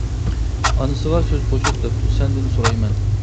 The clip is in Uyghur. ئانىسىغا سۆز قوشۇپ، دەپتۇ : سەندىن سورايمەن.